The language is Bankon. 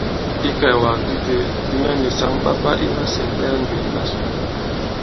Ikɛ̀ɛ̀wàgàdi itē, nyɛ nì saŋ ɓa pà i masîn ɓɛɛ ŋgè ìɓàsu.